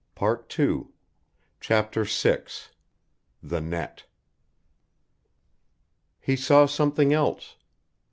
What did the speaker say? PART II CHAPTER VI THE NET He saw something else.